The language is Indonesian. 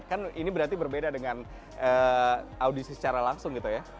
kan ini berarti berbeda dengan audisi secara langsung gitu ya